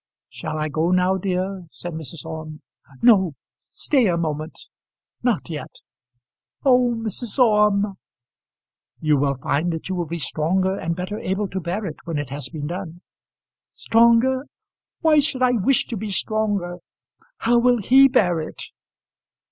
"Shall I go now, dear?" said Mrs. Orme. "No; stay a moment; not yet. Oh, Mrs. Orme!" "You will find that you will be stronger and better able to bear it when it has been done." "Stronger! Why should I wish to be stronger? How will he bear it?"